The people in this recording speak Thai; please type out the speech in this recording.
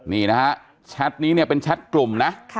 นี่นะฮะแชทนี้เนี่ยเป็นแชทกลุ่มนะ